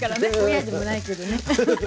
親でもないけどね。